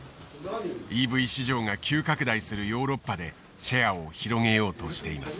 ＥＶ市場が急拡大するヨーロッパでシェアを広げようとしています。